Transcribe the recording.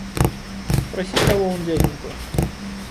Спроси того вон дяденьку.